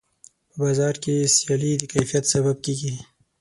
په بازار کې سیالي د کیفیت سبب کېږي.